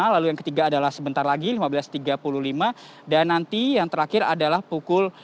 lalu yang ketiga adalah sebentar lagi lima belas tiga puluh lima dan nanti yang terakhir adalah pukul tujuh belas tiga puluh lima